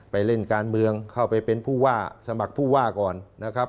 ไปเล่นการเมืองเข้าไปเป็นผู้ว่าสมัครผู้ว่าก่อนนะครับ